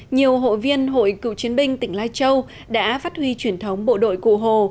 nhiều hội viên hội cựu chiến binh tỉnh lai châu đã phát huy truyền thống bộ đội cụ hồ